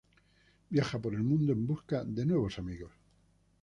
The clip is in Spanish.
Viaja por el mundo en busca de nuevos amigos.